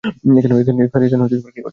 এখানে কি করছ।